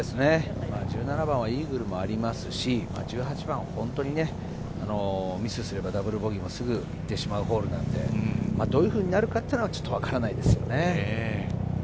１７番はイーグルもありますし、１８番は本当にミスすればダブルボギーもすぐ行ってしまうホールなので、どういうふうになるかというのは分からないですね。